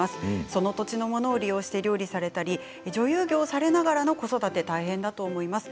その土地のものを利用して料理されたり女優業をされながらの子育て大変だと思います。